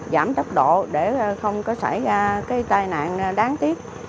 giảm tốc độ để không có xảy ra cái tai nạn đáng tiếc